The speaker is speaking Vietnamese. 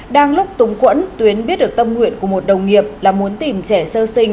đang lúc túng quẫn tuyến biết được tâm nguyện của một đồng nghiệp là muốn tìm trẻ sơ sinh